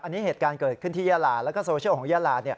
อันนี้เหตุการณ์เกิดขึ้นที่ยาลาแล้วก็โซเชียลของยาลา